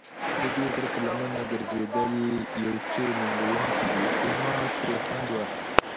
ددې غره پر لمنه ګرځېدل یو څه ننګوونکی دی، خو ما ترې خوند اخیسته.